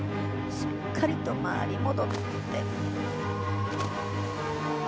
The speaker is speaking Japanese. しっかりと回り戻って。